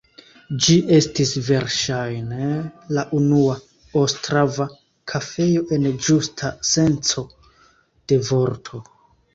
Ĝi estis verŝajne la unua ostrava kafejo en ĝusta senco de vorto.